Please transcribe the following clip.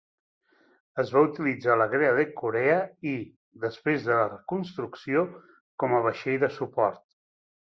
Es va utilitzar a la Guerra de Corea i, després de la reconstrucció, com a vaixell de suport.